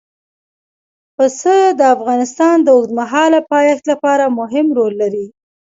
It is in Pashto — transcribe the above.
پسه د افغانستان د اوږدمهاله پایښت لپاره مهم رول لري.